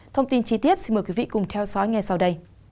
thông tin chi tiết xin mời quý vị cùng theo dõi ngay sau đây